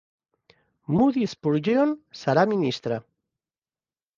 Moody Spurgeon serà ministre.